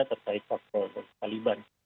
terkait pak khol dan taliban